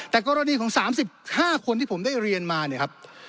แต่กรณีของ๓๕คนที่ผมได้เรียนมา